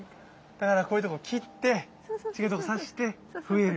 だからこういうところ切って違うところ挿して増える？